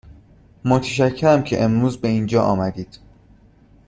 متشکرم که امروز به اینجا آمدید.